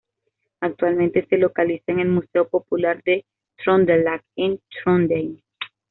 Actualmente se localiza en el Museo Popular de Trøndelag, en Trondheim.